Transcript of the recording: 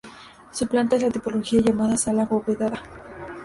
Su planta es de la tipología llamada sala abovedada.